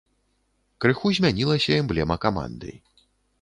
Крыху змянілася эмблема каманды.